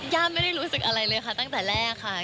ไม่ได้รู้สึกอะไรเลยค่ะตั้งแต่แรกค่ะ